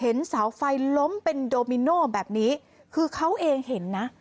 เสาไฟล้มเป็นโดมิโน่แบบนี้คือเขาเองเห็นนะ